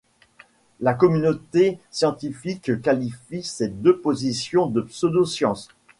La communauté scientifique qualifie ces deux positions de pseudo-science.